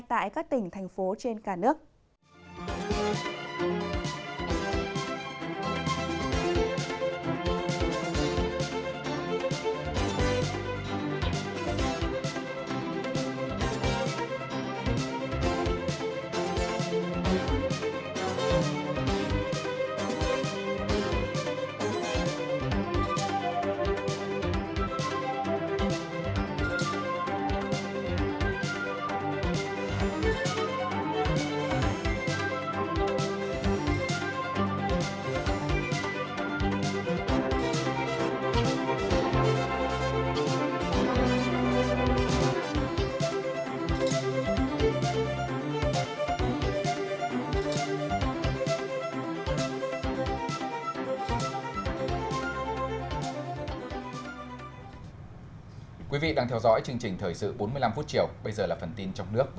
tại các tỉnh thành phố trên cả nước